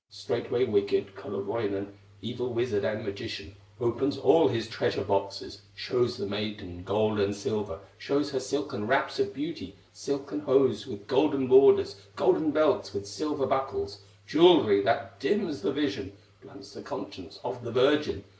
Straightway wicked Kullerwoinen, Evil wizard and magician, Opens all his treasure boxes, Shows the maiden gold and silver, Shows her silken wraps of beauty, Silken hose with golden borders, Golden belts with silver buckles, Jewelry that dims the vision, Blunts the conscience of the virgin.